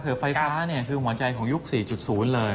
คือไฟฟ้าคือหวังใจของยุค๔๐เลย